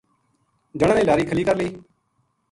جنا نے لاری کھلی کر لئی